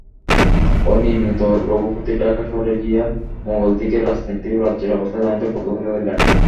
এই নিমিত্ত রঘুপতির ঢাকা শহরে গিয়া মোগলদিগের রাজনীতি ও রাজ্যের অবস্থা জানিতে কৌতূহলী হইলেন।